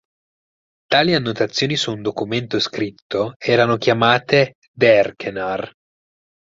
Tali annotazioni su un documento scritto erano chiamate "derkenar".